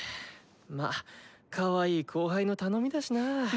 まっかわいい後輩の頼みだしな。